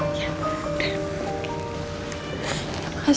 makasih ya pak